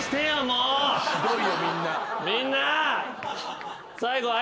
みんな。